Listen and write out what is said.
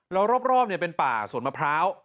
แล้วรอบเป็นป่าสวนมะพร้าว